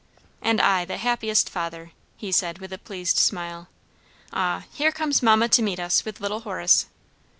"And I the happiest father," he said with a pleased smile. "Ah, here comes mamma to meet as with little Horace."